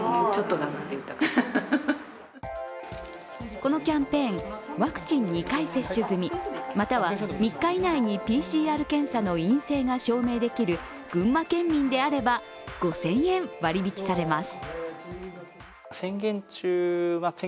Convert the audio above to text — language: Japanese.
このキャンペーンワクチン２回接種済みまたは３日以内にＰＣＲ検査の陰性が証明できる群馬県民であれば５０００円割引されます。